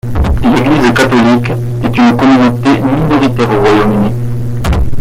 L'Église catholique est une communauté minoritaire au Royaume-Uni.